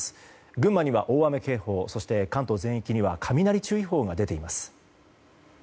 群馬には大雨警報そして関東全域には雷注意報が出ています。